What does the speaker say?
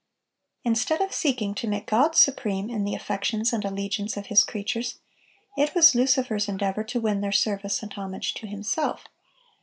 (882) Instead of seeking to make God supreme in the affections and allegiance of His creatures, it was Lucifer's endeavor to win their service and homage to himself.